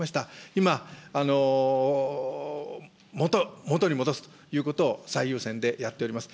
今、元に戻すということを最優先でやっております。